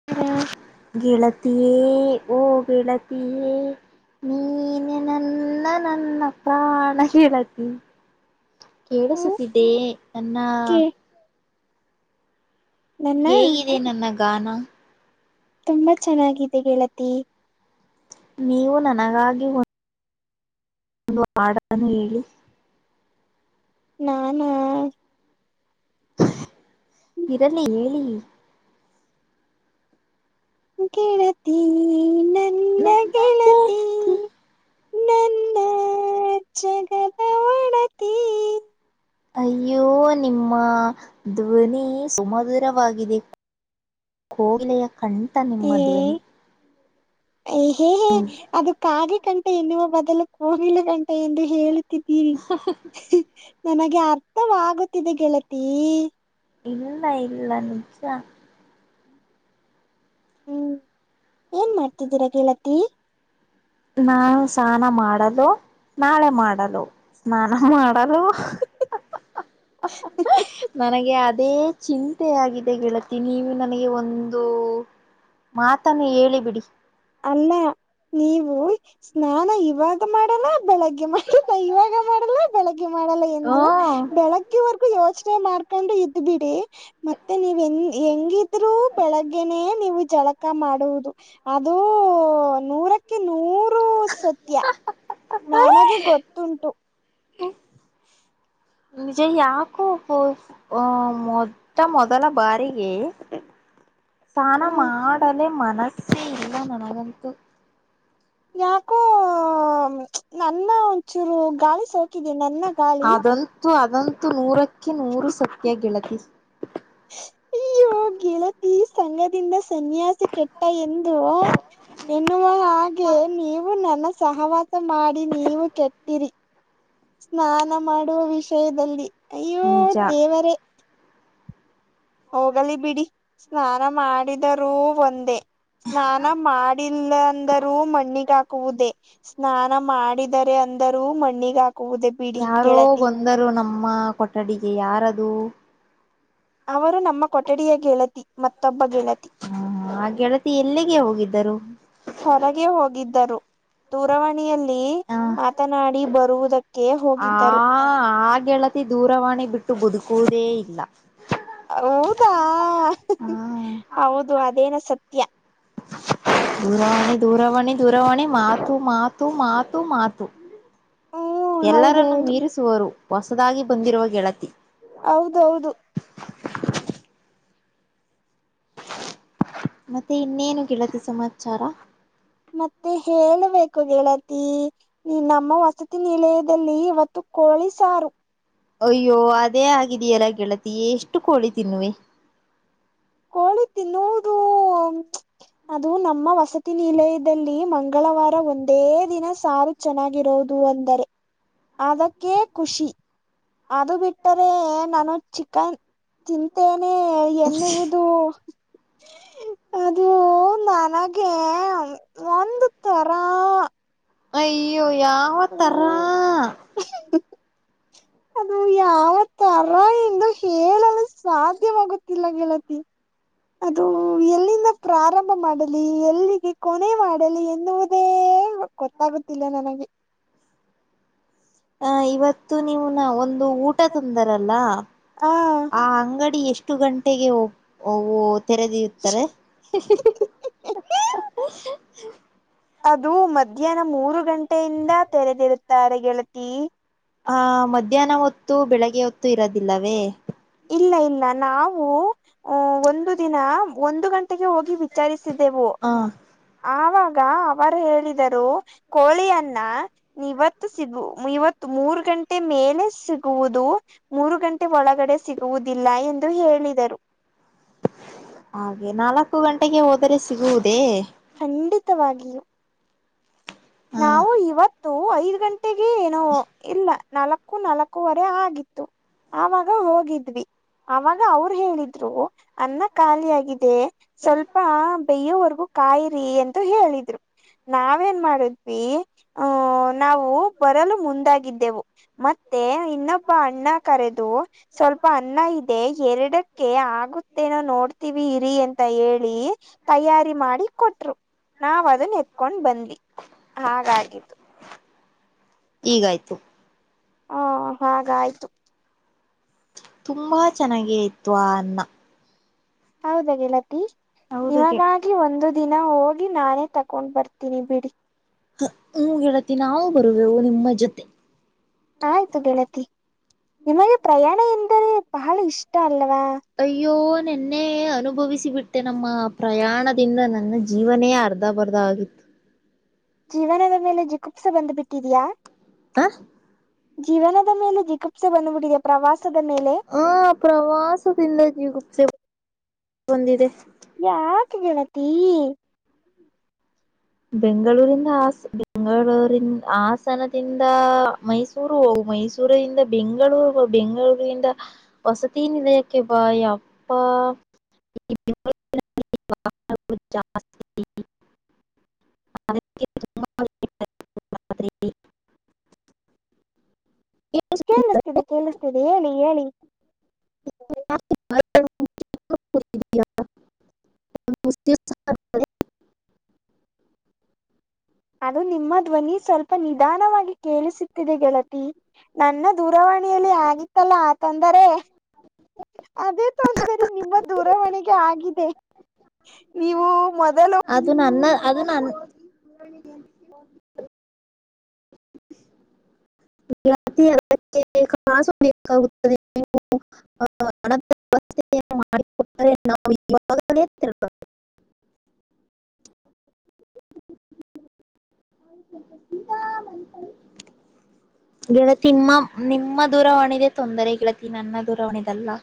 [unintelligible] ಗೆಳತಿ ಓ ಗೆಳತಿ ನೀನೆ ನನ್ನ ನನ್ನ ಪ್ರಾಣ ಗೆಳತಿ ಓಕೆ ಕೇಳಿಸುತ್ತಿದ್ದೆ ನನ್ನ ನನ್ನ ಹೇಗಿದೆ ನನ್ನ ಗಾನ ತುಂಬಾ ಚೆನ್ನಾಗಿದೆ ಗೆಳತಿ ನೀವು ನನಗಾಗಿ ಒಂದ್ ಒಂದು ಹಾಡನ್ನು ಹೇಳಿ ನಾನಾ ಇರಲಿ ಹೇಳಿ ಗೆಳತಿ ನ ನಂದ [unintelligible] ನನ್ನ ಜಗದ ಒಡತಿ ಅಯ್ಯೋ ನಿಮ್ಮ ಧ್ವನಿ ಸುಮಧುರವಾಗಿದೆ ಕೋಗಿಲೆಯ ಕಂಠ ನಿಮ್ಮ ಏ ಧ್ವನಿ ಹೇ ಹೇ ಅದು ಕಾಗೆ ಕಂಠ ಎನ್ನುವ ಬದಲು ಕೋಗಿಲೆ ಕಂಠ ಎಂದು ಹೇಳುತ್ತಿ [inaudible] [unintelligible] ನನಗೆ ಅರ್ಥವಾಗುತ್ತಿದೆ ಗೆಳತಿ ಇಲ್ಲ ಇಲ್ಲ ನಿಜ ಹ್ಮ್ ಏನ್ ಮಾಡ್ತಿದ್ದೀರಾ ಗೆಳತಿ ನಾವು ಸ್ನಾನ ಮಾಡಲು ನಾಳೆ ಮಾಡಲು ಸ್ನಾನ ಮಾಡಲು [inaudible] [unintelligible] ನನಗೆ ಅದೇ ಚಿಂತೆ ಆಗಿದೆ ಗೆಳತಿ ನೀವು ನನಗೆ ಒಂದು. ಮಾತನ್ನು ಹೇಳಿ ಬಿಡಿ. ಅಲ್ಲ ನೀವು ಸ್ನಾನ ಇವಾಗ ಮಾಡಲ್ಲ. ಬೆಳಗ್ಗೆ ಮಾಡಲ್ಲ ಇವಾಗ ಮಾಡಲ್ಲ ಬೆಳಗ್ಗೆ ಮಾಡಲ್ಲ ಎಂದು. ಹ್ಮ ಬೆಳಗ್ಗೆ ವರೆಗು ಯೋಚನೆ ಮಾಡ್ಕೊಂಡು ಇದ್ದ ಬಿಡಿ ಮತ್ತೆ ನೀವನ್ ಹೆಂಗ ಹೆಂಗಿ ರು ಬೆಳಗ್ಗೆನೆೇ ನೀವು ಜಳಕ ಮಾಡುವುದು ಅದು... ನೂರಕ್ಕೆ ನೂರು ಸತ್ಯ [unintelligible] ನನಗೆ ಗೊತ್ತುಂಟು [unintelligible] ನಿಜ ಯಾಕೋ ಪೋ ಆಹ ಮೊಟ್ಟ ಮೊದಲ ಬಾರಿಗೆ. ಸ್ನಾನ ಹ್ಮ ಮಾಡಲೆ ಮನಸ್ಸೇ ಇಲ್ಲ ನನಗಂತೂ. ಯಾಕೊ.... ನನ್ನ ಒಂಚೂರು ಗಾಳಿ ಸೋಕಿದೆ ನನ್ನ ಗಾಳಿ.. ಹು ಅದಂತೂ ನೂರಕ್ಕೆ ನೂರು ಸತ್ಯ ಗೆಳತಿ. ಅಯ್ಯೋ ಗೆಳತಿ ಸಂಘದಿಂದ ಸನ್ಯಾಸಿ ಕೆಟ್ಟ ಎಂದು. ಎನ್ನುವ ಹಾಗೆ ನೀವು ನನ್ನ ಸಹವಾಸ ಮಾಡಿ ನೀವು ಕೆಟ್ಟಿರಿ. ಸ್ನಾನ ಮಾಡುವ ವಿಷಯದಲ್ಲಿ ಈ ನಿಜಾ ದೇವರೇ. ಹೋಗಲಿ ಬಿಡಿ ಸ್ನಾನ ಮಾಡಿದರೂ ಒಂದೇ ಸ್ನಾನ ಮಾಡಿ. ಮಾಡಿಲ್ಲ ಅಂದರೂ ಮಣ್ಣಿಗೆ ಹಾಕುವುದೇ ಸ್ನಾನ ಮಾಡಿದರೆ ಅಂದರೂ ಮ ಮಣ್ಣಿಗೆ ಹಾಕುವುದೇ ಬಿಡಿ ಗೆಳತಿ. ಅಂದರೂ ನಮ್ಮ ಕೊಠಡಿಗೆ ಯಾರದೂ ಅವರು ನಮ್ಮ. ಕೊಠಡಿಯ ಗೆಳತಿ ಮತ್ತೊಬ್ಬ ಗೆಳತಿ. ಹ ಆ ಗೆಳತಿ ಎಲ್ಲಿಗೆ ಹೋಗಿದ್ದರು [inaudible] ಹೊರಗೆ ಹೋಗಿದ್ದರು ದೂರವಾಣಿಯಲ್ಲಿ ಹ ಮಾತನಾಡಿ ಬರುವುದಕ್ಕೆ ಆ ಹೋಗಿದ್ದರು ಆ ಗೆಳತಿ ದೂರವಾಣಿ ಬಿಟ್ಟು ಬದುಕುವುದೇ ಇಲ್ಲಾ ಹೌದಾ ಹ [inaudible] ಹೌದು ಅದೇನು ಸತ್ಯಾ... ದೂರವಾಣಿ ದೂರವಾಣಿ ದೂರವಾಣಿ ಮಾತು ಮಾತು ಮಾತು ಮಾತು. ಹ್ಮ್ ಎಲ್ಲರನ್ನೂ ಹೌದೌದು ಮೀರಿಸುವರು ಹೊಸದಾಗಿ ಬಂದಿರುವ ಗೆಳತಿ. ಹೌದ ಹೌದ [inaudible] ಮತ್ತೆ ಇನ್ನೇನು ಗೆಳತಿ ಸಮಾಚಾರ. ಮತ್ತೆ ಹೇಳಬೇಕು ಗೆಳತಿ ನಮ್ಮ ವಸತಿ ನಿಲಯದಲ್ಲಿ ಇವತ್ತು ಕೋಳಿ ಸಾರು. ಅಯ್ಯೋ ಅದೇ ಆಗಿದೆಯಲ್ಲ ಗೆಳತಿ ಎಷ್ಟು ಕೋಳಿ ತಿನ್ನುವೆ. ಕೋಳಿ ತಿನ್ನುವುದು. [inaudible] ಅದು ನಮ್ಮ ವಸತಿ ನಿಲಯದಲ್ಲಿ ಮಂಗಳವಾರ ಒಂದೇ ದಿನ ಸಾರು ಚೆನ್ನಾಗಿರೋದು ಅಂದರೆ [inaudible] ಅದಕ್ಕೆ ಖುಷಿ. ಅದು ಬಿಟ್ಟರೆ ನಾನು ಚಿಕನ್ [inaudible] ತಿಂತೇನೆ ಎನ್ನುವುದು. ಹು ಅದು.... ನನಗೆ ಒಂದು ತರಾ.... ಅಯ್ಯೋ ಯಾವ ತರಾ....... ಹ್ಮ ಅದು ಯಾವ ತರ..... ಎಂದು ಹೇಳಲು ಸಾ ಸಾಧ್ಯವಾಗೂತ್ತಿಲ್ಲ ಗೆಳತಿ [inaudible] ಅದು. ಎಲ್ಲಿಂದ ಪ್ರಾರಂಭ ಮಾಡಲಿ ಎಲ್ಲಿಗೆ ಕೊನೆ ಮಾಡಲಿ ಎನ್ನುವುದೇ.... ಗೊತ್ತಾಗುತ್ತಿ ಇಲ್ಲ ನನಗೆ ಹ ಇವತ್ತು ನೀವು ನ ಒಂದು ಊಟ ತಂದರಲ್ಲ. ಆ ಆ ಅಂಗಡಿ ಎಷ್ಟು ಗಂಟೆಗೆ ಒ ಓಪ್ ತೆರೆದಿರುತ್ತರೆ. [unintelligible] ಅದು ಮಧ್ಯಾಹ್ನ ಮೂರು ಗಂಟೆಯಿಂದ ತೆರೆದಿರುತ್ತಾರೆ ಗೆಳತಿ. ಹ ಮಧ್ಯಾಹ್ನ ಹೊತ್ತು ಬೆಳಿಗ್ಗೆ ಹೊತ್ತು ಇರದಿಲ್ಲವೇ. ಇಲ್ಲ ಇಲ್ಲ ನಾವು. ಹ ಒಂದು ದಿನ ಒಂದು ಗಂಟೆಗೆ ಹೋಗಿ ವಿಚಾರಿಸಿದ್ದೆವು. ಆಹ್. ಆವಾಗ ಅವರು ಹೇಳಿದರು ಕೋಳಿಯನ್ನ. ಇವತ್ತು ಸಿಗು ಇವತ್ತು ಮೂರ್ ಗಂಟೆ ಮೇಲೆ ಸಿಗುವುದು. ಮೂರು ಗಂಟೆ ಒಳಗಡೆ ಸಿಗುವುದಿಲ್ಲ ಎಂದು ಹೇಳಿದರು. ಹಾಗೆ ನಾಲ್ಕು ಗಂಟೆಗೆ ಹೋದರೆ ಸಿಗುವುದೇ. ಖಂಡಿತವಾಗಿಯೂ. ಹ ನಾವು ಇವತ್ತು ಐದ್ ಗಂಟೆಗೆ ಏನೋ ಇಲ್ಲ ನಾಲ್ಕ್ ಕ್ಕು ನಾಲಕ್ಕು ವರೆ ಆಗಿತ್ತು. ಆವಾಗ ಹೋಗಿದ್ವಿ ಅವಾಗ ಅವ್ರು ಹೇಳಿದ್ರು ಅನ್ನ ಖಾಲಿ ಆಗಿದ್ ದೇ ಸ್ವಲ್ಪ ಬೈಯೋವರ್ಗು ಕಾಯಿರಿ ಎಂತು ಹೇಳಿದ್ರು ನಾವೇನ್ ಮಾಡದ್ವಿ. ದ್ವಿ ಹ್ಮ್ ನಾವು ಬರಲು ಮುಂದಾಗಿದ್ದೆವು. ಮತ್ತೆ ಇನ್ನೊಬ್ಬ ಅಣ್ಣ ಕರೆದು. ಸ್ವಲ್ಪ ಅನ್ನ ಇದೆ ಎರಡಕ್ಕೆ ಆಗುತ್ತೇನೋ ನೋಡ್ತೀವಿ ಇರಿ ಅಂತ ಹೇಳಿ. ತಯಾರಿ ಮಾಡಿ ಕೊಟ್ರು ನಾವ ಅದನ್ನ ಎತ್ಕೊಂಡ್ ಬಂದ್ವಿ. ಹಾಗಾಗಿದ್ದು. ಈಗಾಯ್ತು. ಹಾ ಹಾಗ ಆಯ್ತು. ತುಂಬ ಚೆನ್ನಾಗೇ ಇತ್ತು ಆ ಅನ್ನಾ. ಹೌದಾ ಗೆಳತಿ ಹೌದು ಗೆ ಇವಾಗ ಗಿ ಒಂದು ದಿನ ಹೋಗಿ ನಾನೇ ತಕೊಂಡ್ ಬರ್ತೀನಿ ಬಿಡಿ. ಹ್ ಹ್ಮ್ ಗೆಳತಿ ನಾವು ಬರುವೇವು ನಿಮ್ಮ ಜೊತೆ. ಆಯ್ತು ಗೆಳತಿ ನಿಮಗೆ ಪ್ರಯಾಣ ಎಂದರೆ ಬಹಳ ಇಷ್ಟ ಅಲ್ಲವಾ. ಅಯ್ಯೋ ನೆನ್ನೆ ಅನುಭವಿಸಿ ಬಿಟ್ಟೆ ನಮ್ಮ ಪ್ರಯಾಣದಿಂದ ನನ್ನ ಜೀವನೇ ಅರ್ಧ ಅರ್ದ ಬರ್ದ ಆಗಿತ್ ಜೀವನದ ಮೇಲೆ ಜಿಗುಪ್ಸೆ ಬಂದ್ ಬಿಟ್ಟಿದ್ಯಾ. ಹ ಜೀವನದ ಮೇಲೆ ಜಿಗುಪ್ಸೆ ಬಂದ್ಬಿಟ್ಟಿದೆ ಪ್ರವಾಸದ ಮೇಲೆ. ಹಾ ಪ್ರವಾಸದಿಂದ ಜಗುಪ್ಸೆ ಬಂದಿದೆ. ಯಾಕ ಗೆಳತಿ. ಬೆಂಗಳೂರಿಂದ ಹಾಸ ಬೆಂಗಳೂರಿ ಹಾಸನದಿಂದ ಮೈಸೂ ಳುರು ಮೈಸೂರಿಂದ ಬೆಂಗಳೂರು ಬೆಂಗಳೂರಿಂದ ವಸತಿ ನಿಲಯಕ್ಕೆ ಬಾಯ ಅಪ್ಪಾ. [unintelligible] [unintelligible] ಕೇಳಸ್ತಿದೆ ಕೇಳಸ್ತಿದೆ ಹೇಳಿ ಹೇಳಿ. [unintelligible] [unintelligible] ಅದು ನಿಮ್ಮ ಧ್ವನಿ ಸ್ವಲ್ಪ ನಿಧಾನವಾಗಿ ಕೇಳಸುತ್ತಿದೆ ಗೆಳತಿ. ನನ್ನ ದೂರವಾಣಿಯಲ್ಲಿ ಆಗಿತ್ತಲ್ಲ ಆ ತೊಂದರೆ. ಅದೇ ತೊಂದರೆ ನಿಮ್ಮ ದೂರವಾಣಿಗೆ ಆಗಿದೆ. ನೀವು ಮೊದಲು. ಅದು ನನ್ನ, ಅದು ನನ್ನ ಹೇಳಿದ್ದ [inaudible] ಹ [inaudible] ತಿ ಅ [unintelligible] ಮಾಾಗ ಅ [unintelligible] ಮಾಡಟ್ಟ ನಾವುಾಗ ಇರ್ರ [inaudible] [unintelligible] ಚು [inaudible] ಆಯ ಈಗಾ ಮನಸ [unintelligible] ಹ [inaudible] ಗೆಳತಿ ನಿಮ್ಮ ನಿಮ್ಮ ದೂರವಾಣಿದೆ ತೊಂದರೆ ಗೆಳತಿ ನನ್ನ ದೂರವಾಣಿದಲ್ಲಾ.